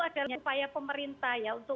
adalah upaya pemerintah ya untuk